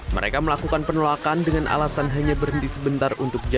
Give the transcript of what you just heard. mereka melakukan penolakan dengan alasan hanya berhenti sebentar untuk jalan